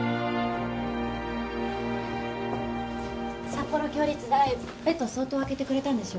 札幌共立大ベッド相当空けてくれたんでしょ？